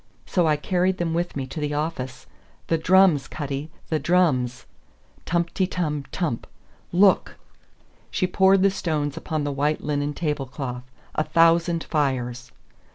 So I carried them with me to the office. The drums, Cutty! The drums! Tumpitum tump! Look!" She poured the stones upon the white linen tablecloth. A thousand fires!